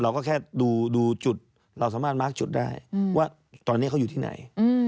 เราก็แค่ดูจุดเราสามารถมาร์คจุดได้ว่าตอนนี้เขาอยู่ที่ไหน